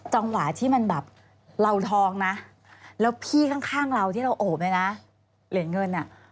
จังหวะที่มันแบบเราทองนะแล้วพี่ข้างเราที่เราโอบเลยนะเหรียญเงินอ่ะ